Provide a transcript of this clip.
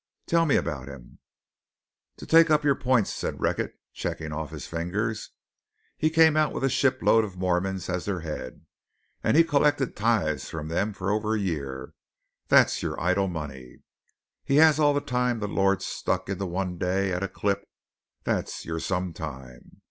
"'Tell me about him.' "'To take up your points,' said Recket, checking off his fingers, 'he came out with a shipload of Mormons as their head, and he collected tithes from them for over a year; that's your idle money. He has all the time the Lord stuck into one day at a clip; that's your "some time."